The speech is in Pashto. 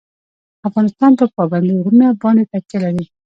افغانستان په پابندی غرونه باندې تکیه لري.